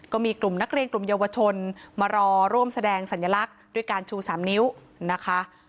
ก็มีกลุ่มนักเรียนกลุ่มเยาวชนมารอร่วมแสดงสัญลักษณ์ด้วยการชู๓นิ้วนะคะ